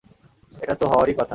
এটা তো হওয়ার ই কথা।